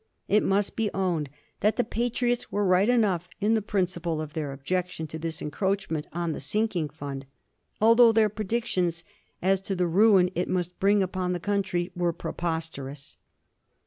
It must be owned that the Patriots were right enough in the principle of their objection to this encroachment on the Sinking Fund, although their predictions as to the ruin it must bring upon the country were preposterous.